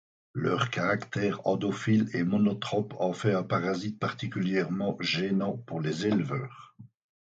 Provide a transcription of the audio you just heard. Leur caractère endophile et monotrope en fait un parasite particulièrement gênant pour les éleveurs.